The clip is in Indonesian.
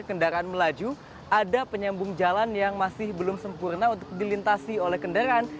kedepan kemudian di sini ada jalan yang masih belum sempurna untuk dilintasi oleh kendaraan